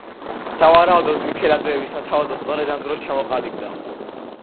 სავარაუდოდ მიქელაძეების სათავადო სწორედ ამ დროს ჩამოყალიბდა.